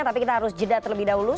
tapi kita harus jeda terlebih dahulu